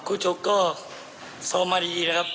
ชกก็ซ้อมมาดีนะครับ